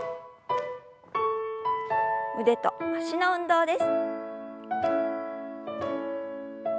腕と脚の運動です。